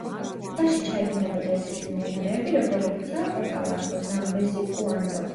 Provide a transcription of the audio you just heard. ტბაში ჩაედინებოდა ისეთი მდინარეები, როგორებიცაა: ოკავანგო, ზამბეზი, კუანდო.